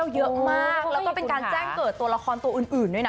และก็เป็นการแจ้งเกิดราคารื่นต่ออื่นด้วยนะ